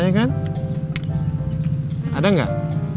bedanya kenapa kurang enak